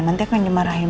nanti aku ngejemah rahim